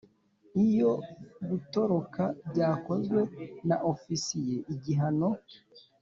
Iyo gutoroka byakozwe na ofisiye igihano